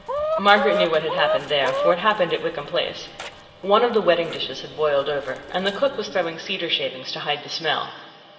Margaret knew what had happened there, for it happened at Wickham Place. One of the wedding dishes had boiled over, and the cook was throwing cedar shavings to hide the smell.